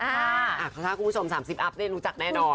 ค่ะอ่าถ้าคุณผู้ชมสามสิบอัพได้รู้จักแน่นอน